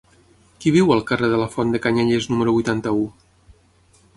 Qui viu al carrer de la Font de Canyelles número vuitanta-u?